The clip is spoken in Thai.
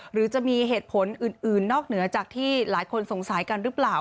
หรือจะมีเหตุผลอื่นนอกเหนือจากที่หลายคนสงสัยกันหรือเปล่า